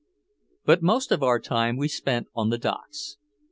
But most of our time we spent on the docks.